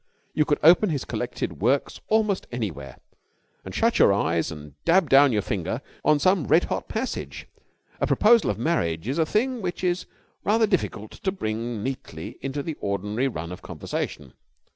You could open his collected works almost anywhere and shut your eyes and dab down your finger on some red hot passage. A proposal of marriage is a thing which it is rather difficult to bring neatly into the ordinary run of conversation.